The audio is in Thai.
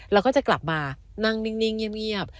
แล้วก็จะกลับมานั่งนิ่งเงียบ